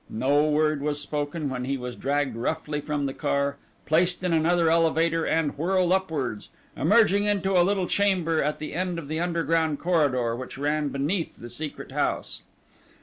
No word was spoken when he was dragged roughly from the car, placed in another elevator and whirled upwards, emerging into a little chamber at the end of the underground corridor which ran beneath the Secret House.